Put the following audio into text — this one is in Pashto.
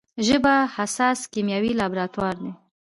ژبه حساس کیمیاوي لابراتوار دی.